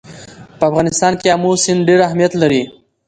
په افغانستان کې آمو سیند ډېر اهمیت لري.